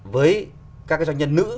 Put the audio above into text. với các doanh nhân nữ